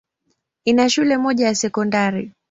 Ina shule moja ya sekondari.